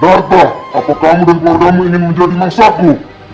darta apa kamu dan keluargamu ingin menjadi mangsa ku